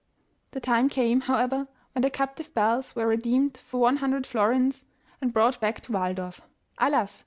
The time came, however, when the captive bells were redeemed for one hundred florins, and brought back to "Waldorf. Alas!